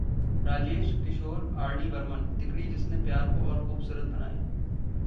Rajesh, Kishore, RD Burman: तिकड़ी जिसने प्यार को और खूबसूरत बनाया